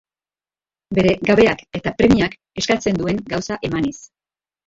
Bere gabeak eta premiak eskatzen duen gauza emanez.